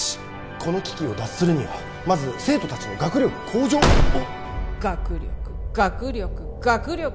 この危機を脱するにはまず生徒達の学力向上を学力学力学力